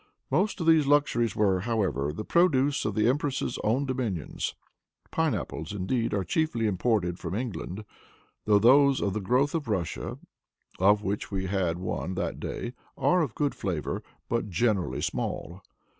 Most of these luxuries were, however, the produce of the empress's own dominions. Pineapples, indeed, are chiefly imported from England, though those of the growth of Russia, of which we had one that day, are of good flavor but generally small.